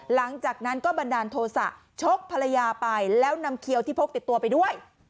หลังจากนั้นก็บันดาลโทษะชกภรรยาไปแล้วนำเขียวที่พกติดตัวไปด้วย